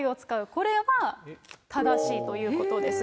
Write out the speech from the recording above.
これは正しいということです。